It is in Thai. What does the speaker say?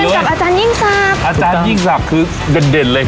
เรียนกับอาจารย์ยิ่งศักดิ์อาจารย์ยิ่งศักดิ์คือเด่นเด่นเลย